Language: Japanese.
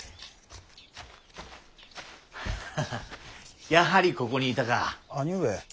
ハハッやはりここにいたか。